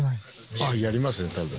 あっ、やりますね、たぶん。